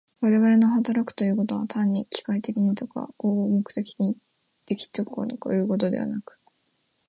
我々の働くということは、単に機械的にとか合目的的にとかいうことでなく、